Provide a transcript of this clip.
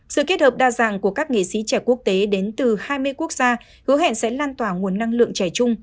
sự kết hợp đa dạng của các nghệ sĩ trẻ quốc tế đến từ hai mươi quốc gia hứa hẹn sẽ lan tỏa nguồn năng lượng trẻ chung